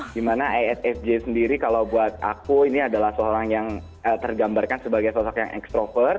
dimana affj sendiri kalau buat aku ini adalah seorang yang tergambarkan sebagai sosok yang extrovert